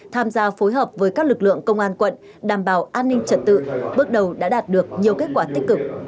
tham gia phối hợp với các lực lượng công an quận đảm bảo an ninh trật tự bước đầu đã đạt được nhiều kết quả tích cực